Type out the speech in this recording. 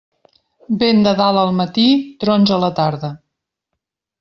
Vent de dalt al matí, trons a la tarda.